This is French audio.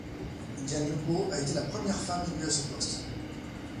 Diane Legault a été la première femme élue à ce poste.